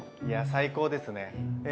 いや最高ですね！